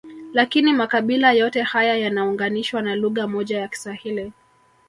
Lakini makabila yote haya yanaunganishwa na lugha moja ya Kiswahili